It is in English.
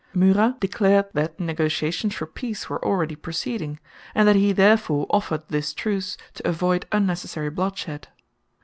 Murat declared that negotiations for peace were already proceeding, and that he therefore offered this truce to avoid unnecessary bloodshed.